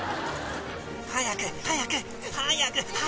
早く早く！